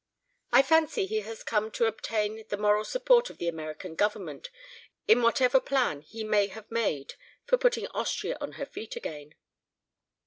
"I fancy he has come to obtain the moral support of the American Government in whatever plan he may have made for putting Austria on her feet again."